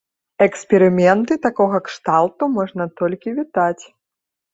Эксперыменты такога кшталту можна толькі вітаць.